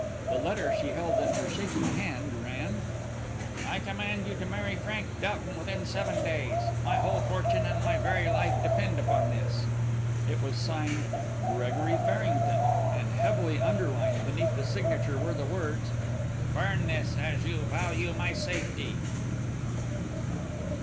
The letter she held in her shaking hand ran: "I command you to marry Frank Doughton within seven days. My whole fortune and my very life may depend upon this." It was signed "Gregory Farrington," and heavily underlined beneath the signature were the words, "Burn this, as you value my safety."